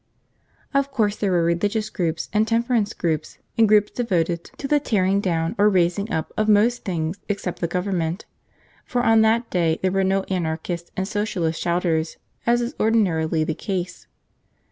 Of course there were religious groups and temperance groups, and groups devoted to the tearing down or raising up of most things except the Government; for on that day there were no Anarchist or Socialist shouters, as is ordinarily the case.